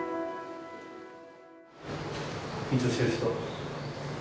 緊張してる人？